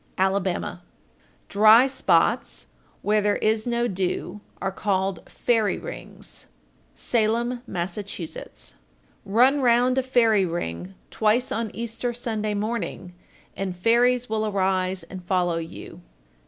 Alabama. 1406. Dry spots, where there is no dew, are called "fairy rings." Salem, Mass. 1407. Run round a fairy ring twice on Easter Sunday morning, and fairies will arise and follow you.